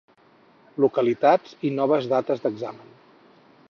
Localitats i noves dates d'examen.